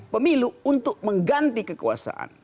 pemilu untuk mengganti kekuasaan